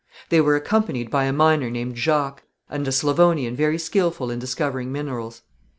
They were accompanied by a miner named Jacques, and a Slavonian very skilful in discovering minerals.